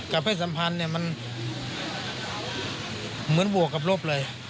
กับเพศสัมพันธ์มันเหมือนบวกกับรบเลย